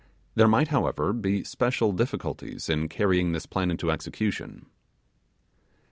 There might, however, be special difficulties in carrying this plan into execution.